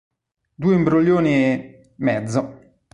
Due imbroglioni e... mezzo!